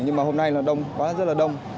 nhưng mà hôm nay là đông quá rất là đông